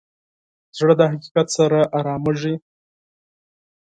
زړه د حقیقت سره ارامېږي.